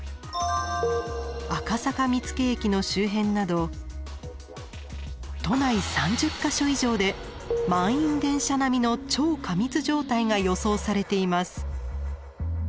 赤坂見附駅の周辺など都内３０か所以上で満員電車並みの超過密状態が予想されています。